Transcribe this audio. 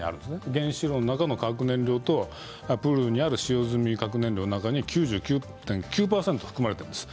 原子炉の中の核燃料とプールにある使用済み核燃料の中に９９．９％含まれています。